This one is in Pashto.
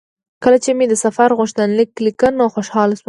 کله چې مې د سفر غوښتنلیک لیکه نو خوشاله شوم.